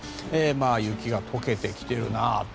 雪が解けてきてるなと。